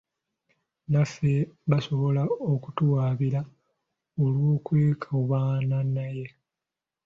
Naffe basobola okutuwawaabira olw'okwekobaana naye.